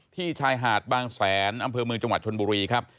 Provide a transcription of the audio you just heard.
ชายหาดบางแสนอำเภอเมืองจังหวัดชนบุรีครับ